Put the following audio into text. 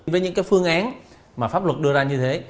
với những phương án mà pháp luật đưa ra như thế